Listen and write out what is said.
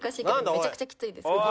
めちゃくちゃきついです。